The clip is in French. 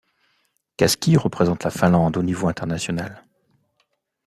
Kaski représente la Finlande au niveau international.